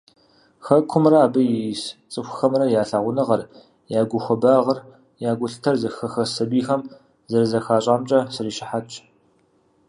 Хэкумрэ, абы ис цӏыхухэмрэ я лъагъуныгъэр, я гухуабагъэр, я гулъытэр хэхэс сабийхэм зэрызэхащӏамкӏэ срищыхьэтщ.